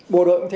bộ đội cũng thế